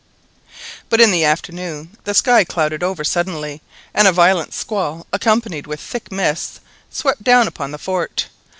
But in the afternoon the sky clouded over suddenly, and a violent squall, accompanied with thick mists, swept down upon the fort.